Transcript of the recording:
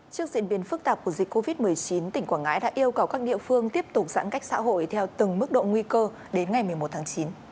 trước diễn biến phức tạp của dịch covid một mươi chín tỉnh quảng ngãi đã yêu cầu các địa phương tiếp tục giãn cách xã hội theo từng mức độ nguy cơ đến ngày một mươi một tháng chín